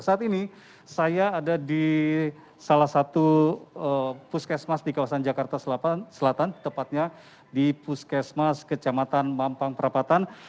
saat ini saya ada di salah satu puskesmas di kawasan jakarta selatan tepatnya di puskesmas kecamatan mampang perapatan